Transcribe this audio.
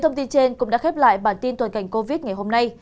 thông tin trên cũng đã khép lại bản tin toàn cảnh covid ngày hôm nay